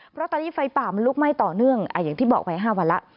เพราะตอนนี้ไฟป่ามันลุกไหม้ต่อเนื่องอย่างที่บอกไป๕วันแล้ว